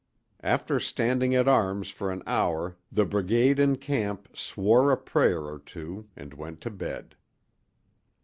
After standing at arms for an hour the brigade in camp "swore a prayer or two" and went to bed.